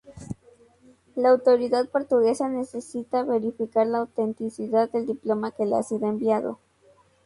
La autoridad portuguesa necesita verificar la autenticidad del diploma que le ha sido enviado.